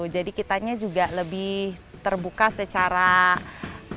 jadi kita juga bisa lebih pendek therapy